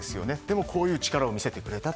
でもこういう力を見せてくれたと。